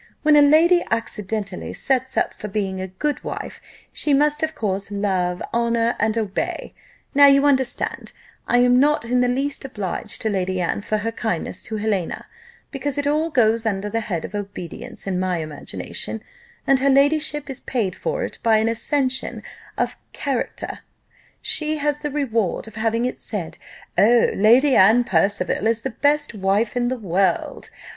When a lady accidentally sets up for being a good wife, she must of course love, honour, and obey. Now, you understand, I am not in the least obliged to Lady Anne for her kindness to Helena, because it all goes under the head of obedience, in my imagination; and her ladyship is paid for it by an accession of character: she has the reward of having it said, 'Oh, Lady Anne Percival is the best wife in the world!